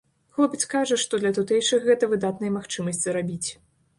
Хлопец кажа, што для тутэйшых гэта выдатная магчымасць зарабіць.